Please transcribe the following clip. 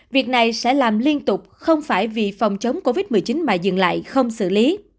việc này sẽ làm liên tục không phải vì phòng chống covid một mươi chín mà dừng lại không xử lý